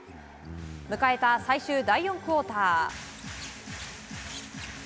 迎えた最終第４クオーター。